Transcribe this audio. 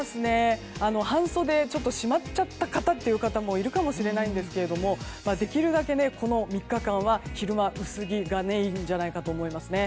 半袖、しまっちゃった方もいるかもしれないんですけどもできるだけこの３日間は昼間、薄着がメインじゃないかと思います。